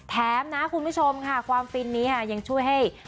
แถมนะคุณผู้ชมค่ะความฟินนี้ยังช่วยให้